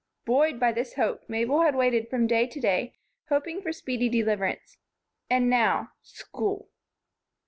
Buoyed by this hope, Mabel had waited from day to day, hoping for speedy deliverance. And now, school!